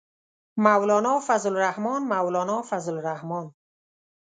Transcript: مولانا فضل الرحمن، مولانا فضل الرحمن.